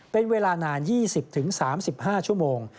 เป็นเวลานาน๒๐๓๕ชั่วโมง